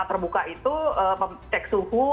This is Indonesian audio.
terbuka itu cek suhu